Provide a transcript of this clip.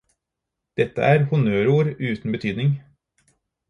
Dette er honnørord uten betydning.